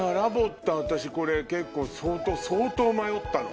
私これ結構相当迷ったの。